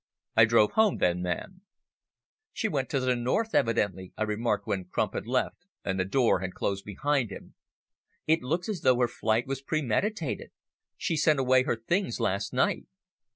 I drove home then, ma'am." "She went to the North, evidently," I remarked when Crump had left and the door had closed behind him. "It looks as though her flight was premeditated. She sent away her things last night."